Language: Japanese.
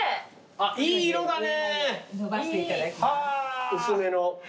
あっいい色だな。